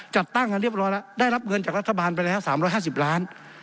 จัดตั้งกันเรียบร้อยแล้วได้รับเงินจากรัฐบาลไปแล้ว๓๕๐ล้าน